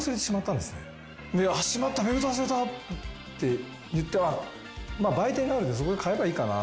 で「しまったベルト忘れた！」って言ってまあ売店があるんでそこで買えばいいかな。